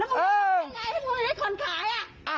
อ่าแล้วมึงทำยังไงให้มึงได้คนขายอ่ะ